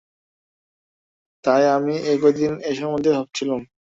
তাই আমি এ কয়দিন এ সম্বন্ধে ভাবছিলুম।